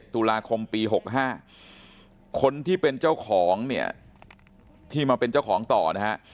ตุลาคมปี๖๕คนที่เป็นเจ้าของเนี่ยที่มาเป็นเจ้าของต่อนะฮะ